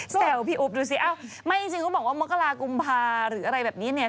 แซวพี่อุ๊บดูสิอ้าวไม่จริงเขาบอกว่ามกรากุมภาหรืออะไรแบบนี้เนี่ย